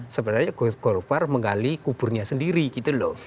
sebenarnya golkar menggali kuburnya sendiri gitu loh